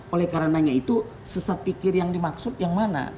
oleh karenanya itu sesat pikir yang dimaksud yang mana